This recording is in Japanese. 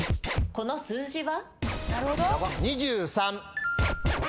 この数字は？